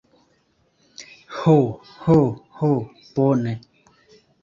Ho, ho, ho bone.